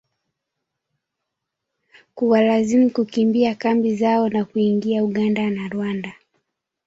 kuwalazimu kukimbia kambi zao na kuingia Uganda na Rwanda.